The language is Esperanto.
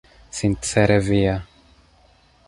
Sincere via.